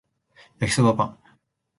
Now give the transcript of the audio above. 焼きそばパン